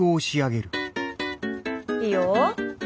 いいよ。